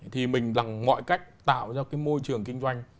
thì mình bằng mọi cách tạo ra cái môi trường kinh doanh